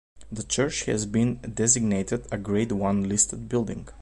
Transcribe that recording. The church has been designated a Grade One listed building.